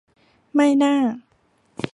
ไม่น่า